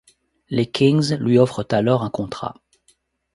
Les Kings lui offrent alors un contrat.